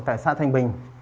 tại xã thanh bình